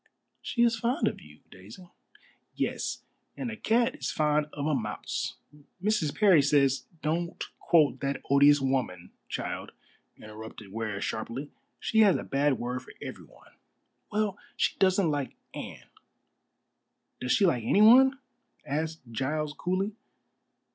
"She is fond of you, Daisy." "Yes. And a cat is fond of a mouse. Mrs. Parry says " "Don't quote that odious woman, child," interrupted Ware sharply. "She has a bad word for everyone." "Well, she doesn't like Anne." "Does she like anyone?" asked Giles coolly.